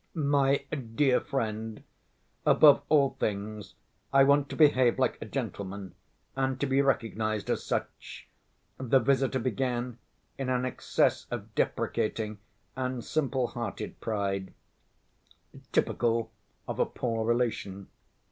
"My dear friend, above all things I want to behave like a gentleman and to be recognized as such," the visitor began in an excess of deprecating and simple‐hearted pride, typical of a poor relation.